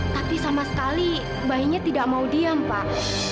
tapi sama sekali bayinya tidak mau diam pak